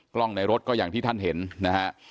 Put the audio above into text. ในรถก็อย่างที่ท่านเห็นนะฮะ